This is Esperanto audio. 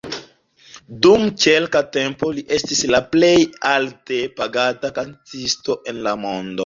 Dum kelka tempo li estis la plej alte pagata kantisto en la mondo.